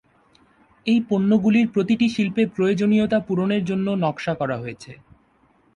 এই পণ্যগুলির প্রতিটি শিল্পে প্রয়োজনীয়তা পূরণের জন্য নকশা করা হয়েছে।